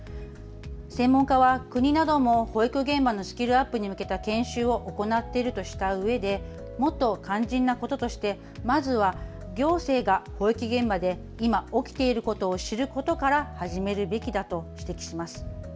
専門家は、国なども保育現場のスキルアップに向けた研修は行っているとしたうえでもっと肝心なこととしてまずは行政が保育現場で今起きていることを知ることから始めるべきだと指摘しています。